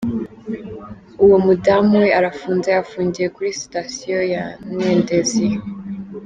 uwo mudamu we arafunze, afungiye kuri sitasiyo ya ntendezi.